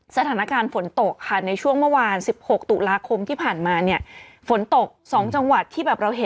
สถานการณ์ฝนตกค่ะในช่วงเมื่อวาน๑๖ตุลาคมที่ผ่านมาเนี่ยฝนตก๒จังหวัดที่แบบเราเห็น